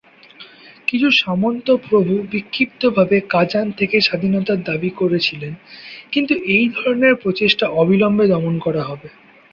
কিছু সামন্ত প্রভু বিক্ষিপ্তভাবে কাজান থেকে স্বাধীনতার দাবি করেছিলেন, কিন্তু এই ধরনের প্রচেষ্টা অবিলম্বে দমন করা হবে।